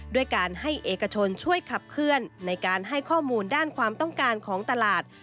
ด้วยการให้เอกชนช่วยขับเคลื่อนในการให้ข้อมูลด้านความต้องการของตลาด